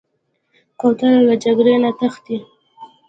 کوتره له جګړې نه تښتي.